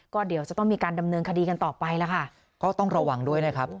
ก็เดี๋ยวจะต้องมีการดำเนินคดีกันต่อไปแล้วค่ะก็ต้องระวังด้วยนะครับ